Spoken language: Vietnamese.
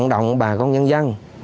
từ đó chủ động phòng tránh